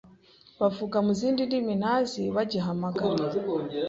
bavuga mu zindi ndimi ntazi bagihamagara